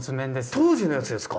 当時のやつですか。